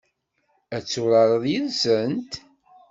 Ad turareḍ yid-sent?